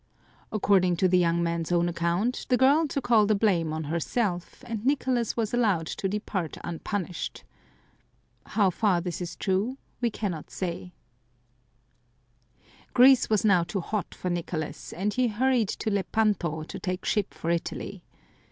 According to the young man's own account, the girl took all the blame on herself, and Nicolas was allowed to depart unpunished. How far this is true we cannot say, Greece was now too hot for Nicolas, and he hurried to Lepanto, to take ship for Italy.